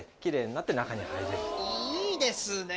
いいですね。